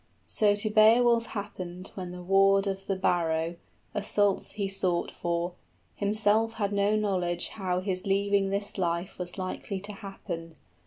So to Beowulf happened when the ward of the barrow, 10 Assaults, he sought for: himself had no knowledge How his leaving this life was likely to happen.